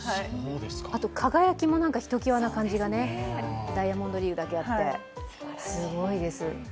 あと輝きもひときわな感じがね、ダイヤモンドリーグだけあって。